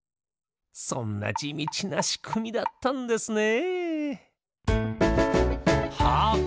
そんなじみちなしくみだったんですね。